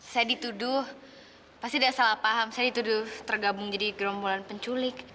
saya dituduh pasti tidak salah paham saya dituduh tergabung jadi gerombolan penculik